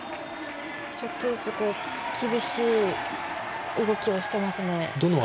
ちょっとずつ厳しい動きをしていますね。